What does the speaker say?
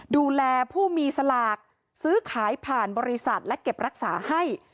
ดูแลผู้มีสลากซื้อขายผ่านบริษัทและเก็บรักษาให้